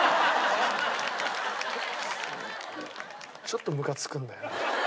ちょっとムカつくんだよな。